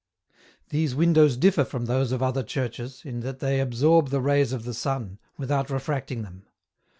These windows differ from those of other churches, in that they absorb the rays of the sun, without refracting them.